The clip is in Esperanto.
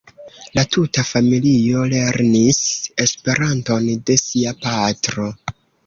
La tuta familio lernis Esperanton de sia patro.